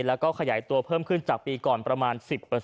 แล้วก็ขยายตัวเพิ่มขึ้นจากปีก่อนประมาณ๑๐